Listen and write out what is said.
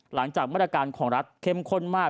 หลังจากมาตรการของรัฐเข้มข้นมาก